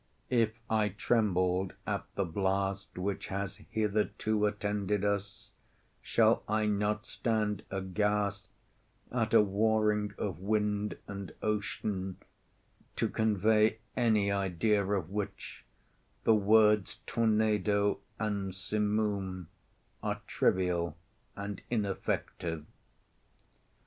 If I trembled at the blast which has hitherto attended us, shall I not stand aghast at a warring of wind and ocean, to convey any idea of which the words tornado and simoom are trivial and ineffective?